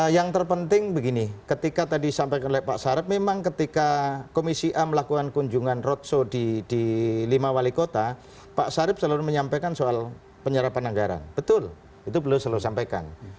yang terpenting begini ketika tadi sampaikan oleh pak sarip memang ketika komisi a melakukan kunjungan roadshow di lima wali kota pak sarip selalu menyampaikan soal penyerapan anggaran betul itu beliau selalu sampaikan